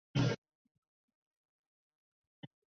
常与另一种有序的线性资料集合伫列相提并论。